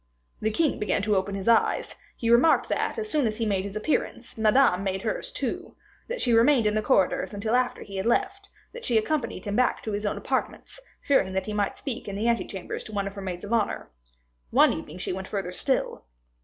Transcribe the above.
The king began to open his eyes; he remarked that, as soon as he made his appearance, Madame made hers too; that she remained in the corridors until after he had left; that she accompanied him back to his own apartments, fearing that he might speak in the ante chambers to one of her maids of honor. One evening she went further still.